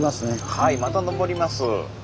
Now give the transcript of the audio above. はいまた上ります。